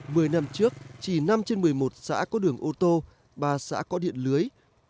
mười năm trước chỉ năm trên một mươi một xã có đường ô tô ba xã có điện lưới